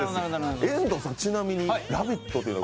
遠藤さん、ちなみに「ラヴィット！」というのは？